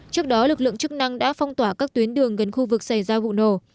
trước đó lực lượng chức năng đã phong tỏa các tuyến đường gần khu vực xảy ra vụ nổ